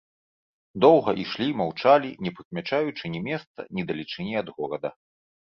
Доўга ішлі, маўчалі, не прыкмячаючы ні месца, ні далечыні ад горада.